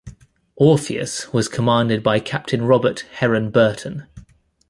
"Orpheus" was commanded by Captain Robert Heron Burton.